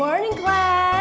selamat pagi kelas